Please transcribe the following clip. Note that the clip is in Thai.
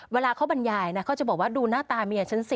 เวลาเขาบรรยายนะเขาจะบอกว่าดูหน้าตาเมียฉันสิ